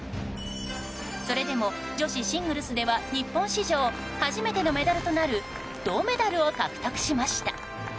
それでも、女子シングルスでは日本史上初めてのメダルとなる銅メダルを獲得しました。